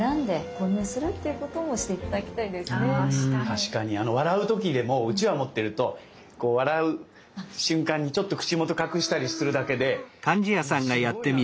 確かに笑う時でもうちわを持ってるとこう笑う瞬間にちょっと口元隠したりするだけでもうすごいなんか。